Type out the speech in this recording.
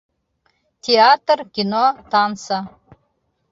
Театр, кино, танса!